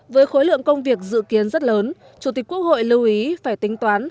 với khối lượng công việc dự kiến rất lớn chủ tịch quốc hội lưu ý phải tính toán